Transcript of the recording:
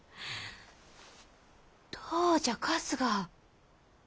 どうじゃ春日。